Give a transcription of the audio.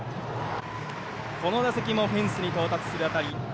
この打席もフェンスに到達する当たり。